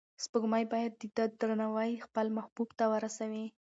سپوږمۍ باید د ده درناوی خپل محبوب ته ورسوي.